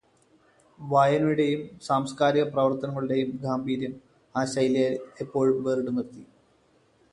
വായനയുടെയും സാംസ്ക്കാരികപ്രവർത്തനങ്ങളുടെയും ഗാംഭീര്യം ആ ശൈലിയെ എപ്പോഴും വേറിട്ടു നിർത്തി.